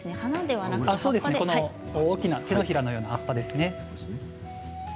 大きな手のひらのような葉っぱですね。